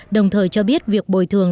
đồng thời cho biết việc bồi thường